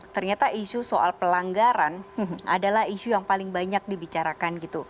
ternyata isu soal pelanggaran adalah isu yang paling banyak dibicarakan gitu